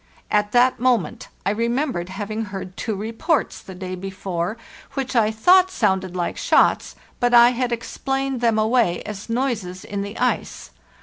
At that moment I remembered having heard two reports the day before 526 PARLTHESL NORTE which I thought sounded like shots, but I had explained them away as noises in the ice.